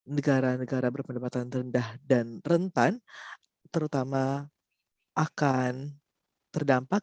negara negara berpendapatan rendah dan rentan terutama akan terdampak